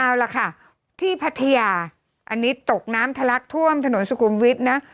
เอาล่ะค่ะที่พัทยาอันนี้ตกน้ำทะลักท่วมถนนสุขุมวิทย์นะ